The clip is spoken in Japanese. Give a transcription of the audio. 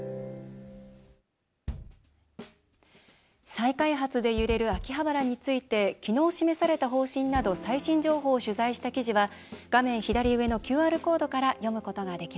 再開発で揺れる秋葉原について昨日、示された方針など最新情報を取材した記事は画面左上のＱＲコードから読むことができます。